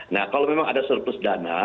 nah kalau memang ada surplus dana